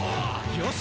よし！